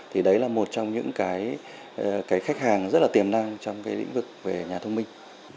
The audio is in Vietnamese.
thì đấy là một trong những khách hàng rất tiềm năng trong lĩnh vực về nhà thông minh